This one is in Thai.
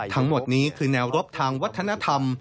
ทั้งหมดนี้คือแนวรบทางวัฒนธรรม